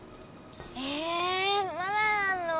えまだやんの？